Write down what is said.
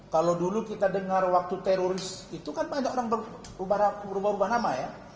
kalau dulu kita dengar waktu teroris itu kan banyak orang berubah ubah nama ya